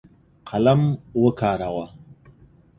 قلم وکاروه.